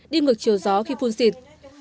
đi ngược chiều gió khi phun xịt